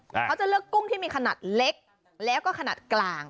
เขาจะเลือกกุ้งที่มีขนาดเล็กแล้วก็ขนาดกลาง